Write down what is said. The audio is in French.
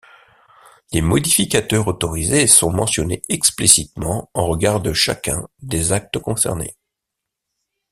Les modificateurs autorisés sont mentionnés explicitement en regard de chacun des actes concernés.